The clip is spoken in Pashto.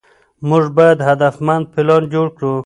موږ باید هدفمند پلان جوړ کړو.